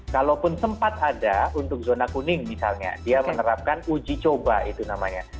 kalaupun sempat ada untuk zona kuning misalnya dia menerapkan uji coba itu namanya